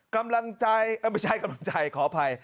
กำลังใจไม่ใช่กำลังใจขออภัย